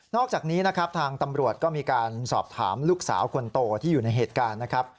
อกจากนี้นะครับทางตำรวจก็มีการสอบถามลูกสาวคนโตที่อยู่ในเหตุการณ์นะครับ